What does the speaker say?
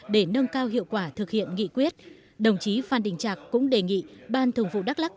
để nâng cao hiệu quả thực hiện nghị quyết đồng chí phan đình trạc cũng đề nghị ban thường vụ đắk lắc